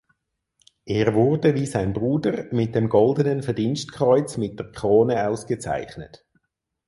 Er wurde wie sein Bruder mit dem Goldenen Verdienstkreuz mit der Krone ausgezeichnet.